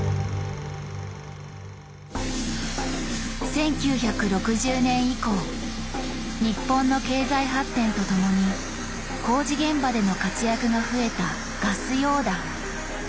１９６０年以降日本の経済発展とともに工事現場での活躍が増えたガス溶断。